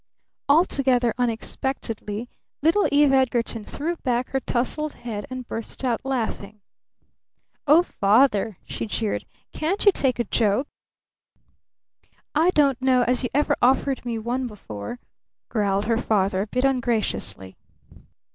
Altogether unexpectedly little Eve Edgarton threw back her tousled head and burst out laughing. "Oh, Father!" she jeered. "Can't you take a joke?" "I don't know as you ever offered me one before," growled her father a bit ungraciously.